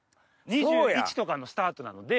２１とかのスタートなので。